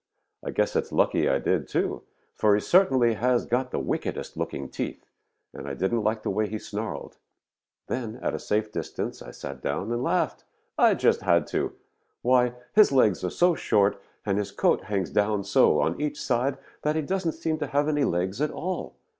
I guess it is lucky I did, too, for he certainly has got the wickedest looking teeth, and I didn't like the way he snarled. Then at a safe distance I sat down and laughed. I just had to. Why, his legs are so short and his coat hangs down so on each side that he doesn't seem to have any legs at all.